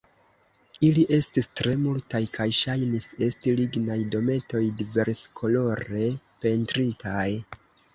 Ili estis tre multaj kaj ŝajnis esti lignaj dometoj diverskolore pentritaj.